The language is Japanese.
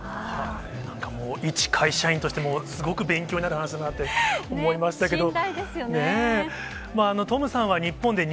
なんかもう、いち会社員としてすごく勉強になる話だなって思いましたけれども。